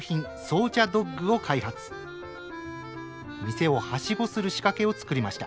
店をはしごする仕掛けをつくりました。